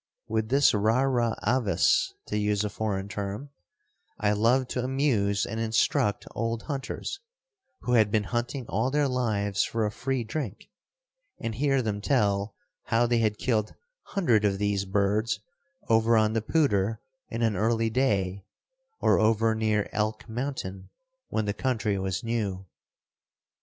With this rara avis, to use a foreign term, I loved to amuse and instruct old hunters, who had been hunting all their lives for a free drink, and hear them tell how they had killed hundred of these birds over on the Poudre in an early day, or over near Elk Mountain when the country was new.